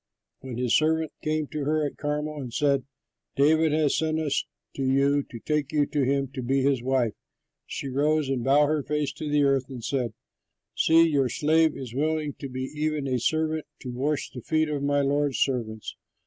When his servants came to her at Carmel and said, "David has sent us to you to take you to him to be his wife," she rose and bowed her face to the earth and said, "See, your slave is willing to be even a servant to wash the feet of my lord's servants."